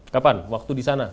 kapan waktu di sana